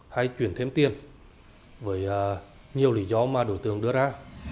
hay chuyển thêm tiền với nhiều lý do mà đối tượng đưa ra